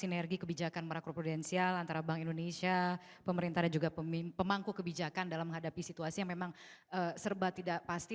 sinergi kebijakan merakru prudensial antara bank indonesia pemerintah dan juga pemangku kebijakan dalam menghadapi situasi yang memang serba tidak pasti